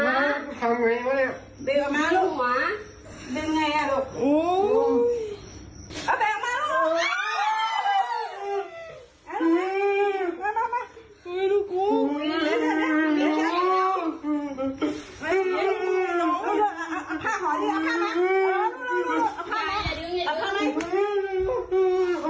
ดูกู